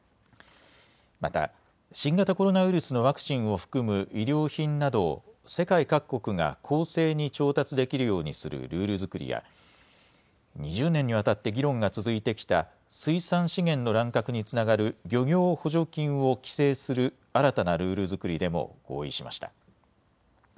また新型コロナウイルスのワクチンを含む医療品などを世界各国が公正に調達できるようにするルール作りや２０年にわたって議論が続いてきた水産資源の乱獲につながる漁業補助金を規制する新たなルール作りでも合意しました。